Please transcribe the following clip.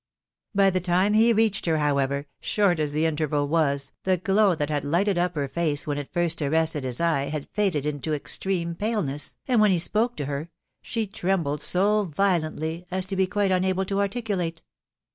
By the time he reached her, however, short a* the interval was, the glow that had lighted up her face when it first ar rested his eye .had faded into extreme paleneaa, and when he spoke to her, she trembled so violently as to be qtrite unableta articulate.